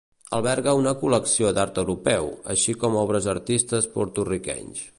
Alberga una col·lecció d'art europeu, així com obres d'artistes Porto-riquenys.